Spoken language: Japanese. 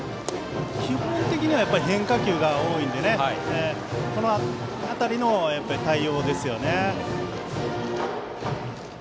基本的には変化球が多いのでこの辺りの対応ですよね。